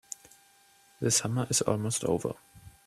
The summer is almost over.